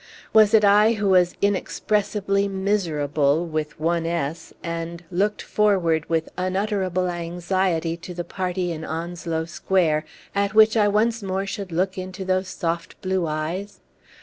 Was it I who was 'inexpressibly miserable, with one s, and looked 'forward with unutterable anxiety to the party in Onslow Square, at which I once more should look into those soft blue eyes?'